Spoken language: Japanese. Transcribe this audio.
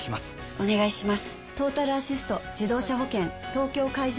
お願いします！！！